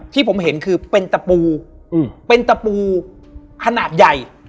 ที่ผมเห็นคือเป็นตะปูเป็นตะปูขนาดใหญ่